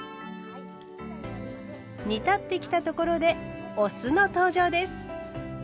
煮立ってきたところでお酢の登場です。